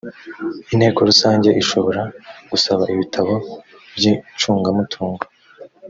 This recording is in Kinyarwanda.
inteko rusange ishobora gusaba ibitabo by’icungamutungo